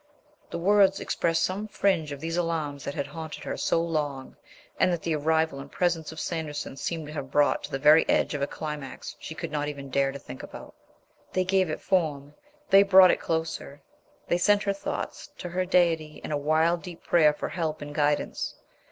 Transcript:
The words expressed some fringe of these alarms that had haunted her so long, and that the arrival and presence of Sanderson seemed to have brought to the very edge of a climax she could not even dare to think about. They gave it form; they brought it closer; they sent her thoughts to her Deity in a wild, deep prayer for help and guidance.